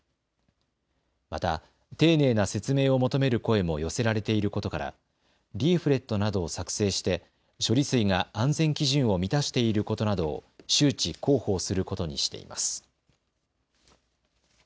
また丁寧な説明を求める声も寄せられていることからリーフレットなどを作成して処理水が安全基準を満たしていることなどを周知・広報することにしています。